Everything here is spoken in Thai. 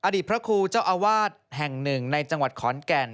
อดีตพระครูเจ้าอาวาสแห่งหนึ่งในจังหวัดขอนแก่น